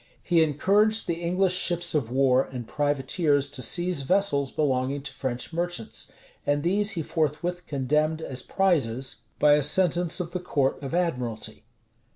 [] He encouraged the English ships of war and privateers to seize vessels belonging to French merchants; and these he forthwith condemned as prizes, by a sentence of the court of admiralty.